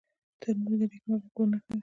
تنور د نیکمرغه کور نښه ده